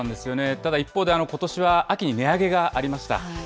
ただ、一方でことしは秋に値上げがありました。